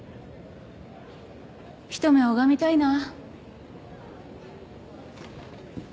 一目拝みたいなぁ。